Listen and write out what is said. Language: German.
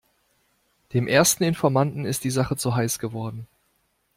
Dem ersten Informanten ist die Sache zu heiß geworden.